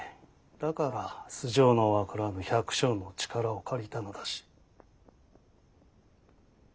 だから素性の分からぬ百姓の力を借りたのだし。